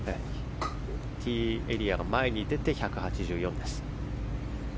ティーイングエリアが前に出て１８４です。